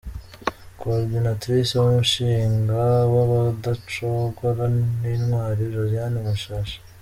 Coordinatrice w'Umushinga w'Abadacogora n'Intwali Josiane Mushashi.